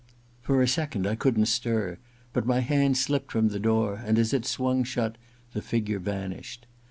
For a second I couldn't stir ; but my hand slipped from the door, and as it swung shut the figure vanished.